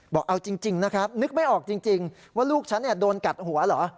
บอกเอาจริงนะครับนึกไม่ออกจริงว่าลูกฉันโดนกัดหัวเหรอ